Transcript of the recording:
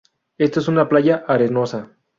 Esto es una playa arenosa.